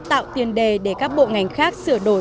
tạo tiền đề để các bộ ngành khác sửa đổi